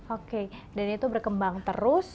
oke dan itu berkembang terus